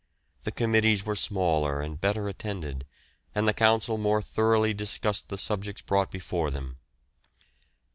The Committees were smaller and better attended, and the Council more thoroughly discussed the subjects brought before them.